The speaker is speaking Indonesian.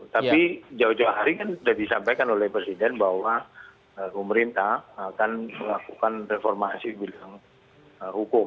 tapi jauh jauh hari kan sudah disampaikan oleh presiden bahwa pemerintah akan melakukan reformasi bidang hukum